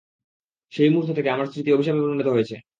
সেই মূহুর্ত থেকে, আমার স্মৃতি অভিশাপে পরিণত হয়েছে।